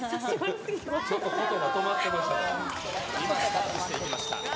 今、スタートしていきました。